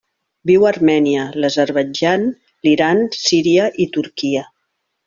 Viu a Armènia, l'Azerbaidjan, l'Iran, Síria i Turquia.